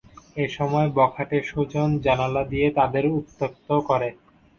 এ সময় বখাটে সুজন জানালা দিয়ে তাদের উত্ত্যক্ত করে।